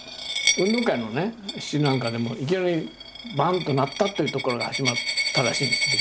運動会の詩なんかでもいきなりバンッと鳴ったっていうとこから始まったらしいんですよ